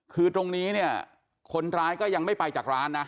คือตรงนี้เนี่ยคนร้ายก็ยังไม่ไปจากร้านนะ